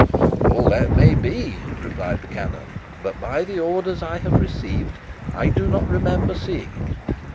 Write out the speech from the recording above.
"All that may be," replied the canon; "but, by the orders I have received, I do not remember seeing it.